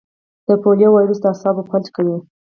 د پولیو وایرس د اعصابو فلج کوي.